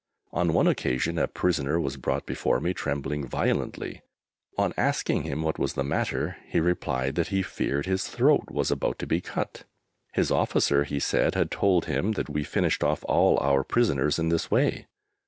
On one occasion a prisoner was brought before me trembling violently. On asking him what was the matter, he replied that he feared his throat was about to be cut! His officer, he said, had told him that we finished off all our prisoners in this way.